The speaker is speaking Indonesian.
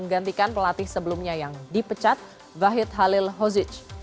menggantikan pelatih sebelumnya yang dipecat wahid halil hozij